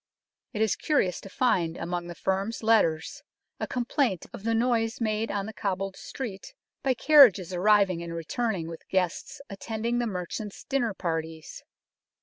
It is curious to find among the firm's letters a complaint of the noise made on the cobbled street by carriages arriving and returning with guests attending the merchant's dinner parties.